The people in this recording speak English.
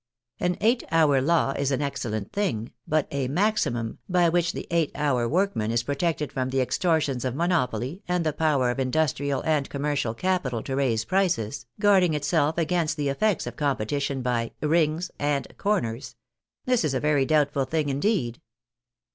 An eight hour law is an excellent thing, but a maximum, by which the eight hour workman is pro tected from the extortions of monopoly and the power of industrial and commercial capital to raise prices, guard ing itself against the effects of competition by " rings " and *' corners "— this is a very doubtful thing indeed